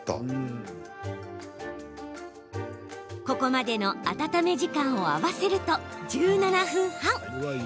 ここまでの温め時間を合わせると１７分半。